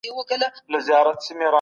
هغه په خوني کي ارام دی.